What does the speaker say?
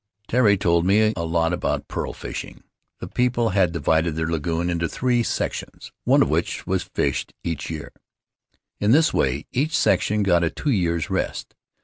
' Tairi told me a lot about pearl fishing. The people had divided their lagoon into three sections, one of which was fished each year. In this way each section got a two years' rest.